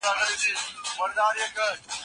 او د هري ښایستې کلمې د کارولو لپاره ځای لري.